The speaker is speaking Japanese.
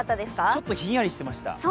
ちょっとひんやりしてました。